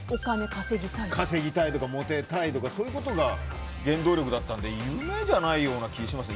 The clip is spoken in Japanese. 稼ぎたいとかモテたいとかそういうことが原動力だったので夢じゃないような気がします。